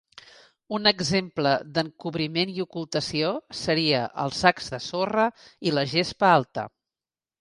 Un exemple de "encobriment i ocultació" seria els sacs de sorra i la gespa alta.